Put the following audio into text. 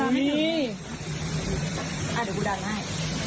อ่าเดี๋ยวดันให้